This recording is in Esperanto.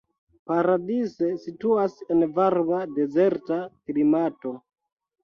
Paradise situas en varma dezerta klimato.